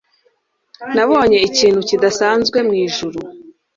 Nabonye ikintu kidasanzwe mwijuru.